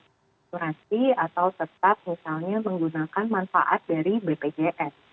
asuransi atau tetap misalnya menggunakan manfaat dari bpjs